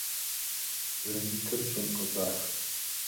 Гранитыр щӀым къыщӀах.